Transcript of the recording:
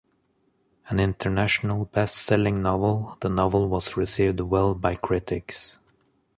An international best selling novel, the novel was received well by critics.